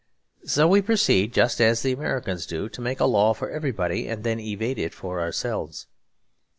So we proceed, just as the Americans do, to make a law for everybody and then evade it for ourselves.